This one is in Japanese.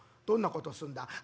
「どんなことすんだ？」。